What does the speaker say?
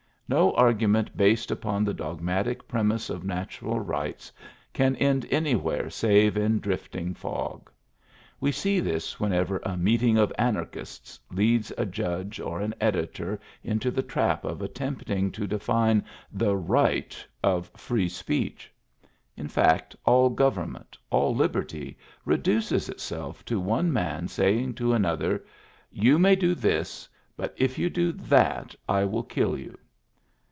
No argument based upon the dogmatic premise of natural rights can end anywhere save in drifting fog. We see this whenever a meeting of an archists leads a judge or an editor into the trap of attempting to define the "right" of free speech. In fact, all government, all liberty, reduces itself to one man saying to another: You may do this; but if you do that^ I will kill you.